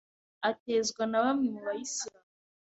atezwa na bamwe mu bayislamu